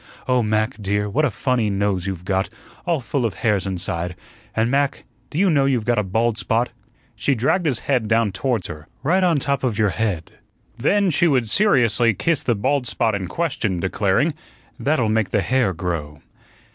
Oh, Mac, dear, what a funny nose you've got, all full of hairs inside; and, Mac, do you know you've got a bald spot " she dragged his head down towards her "right on the top of your head." Then she would seriously kiss the bald spot in question, declaring: "That'll make the hair grow."